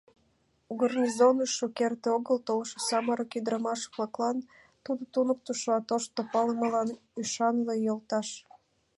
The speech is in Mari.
Гарнизоныш шукерте огыл толшо самырык ӱдырамаш-влаклан тудо — туныктышо, а тошто палымылан — ӱшанле йолташ.